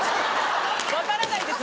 分からないです